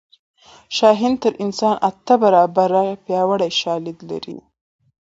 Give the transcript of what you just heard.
شاهین تر انسان اته برابره پیاوړی لید لري